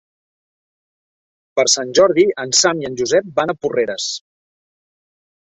Per Sant Jordi en Sam i en Josep van a Porreres.